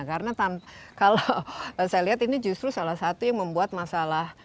karena kalau saya lihat ini justru salah satu yang membuat masalah